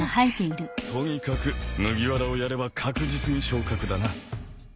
とにかく麦わらをやれば確実に昇格だな。